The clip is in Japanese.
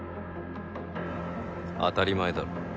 当たり前だろ。